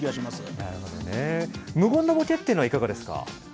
無言のボケっていうのはいかがですか。